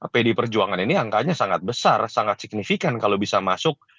pdi perjuangan ini angkanya sangat besar sangat signifikan kalau bisa masuk